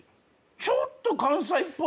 ちょっと関西っぽいのかな。